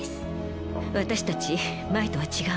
私たち前とは違うの。